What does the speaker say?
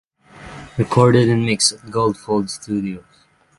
Recorded and mixed at Gold Fold Studios.